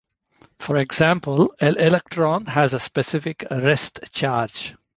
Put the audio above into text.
For example, an electron has a specific rest charge.